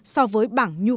so với bảng nhuận